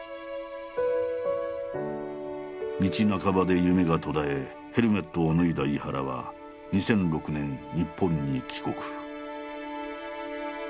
道半ばで夢が途絶えヘルメットを脱いだ井原は２００６年日本に帰国。